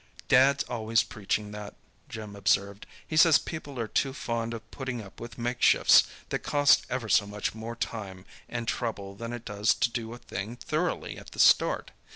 "Dad's always preaching that," Jim observed. "He says people are too fond of putting up with makeshifts, that cost ever so much more time and trouble than it does to do a thing thoroughly at the start.